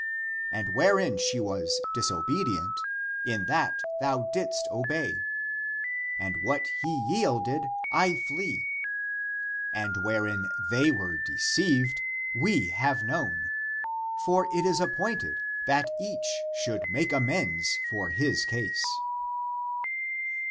And wherein she was disobedient, in that thou didst obey. And what he yielded, I flee. And wherein they were deceived, we have known. For it is appointed that each should make amends for his case.